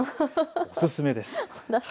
おすすめです。